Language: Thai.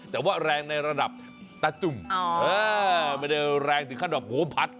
แต่ว่าแรงในระดับตาจุ่มไม่ได้แรงถึงขั้นแบบโหพัด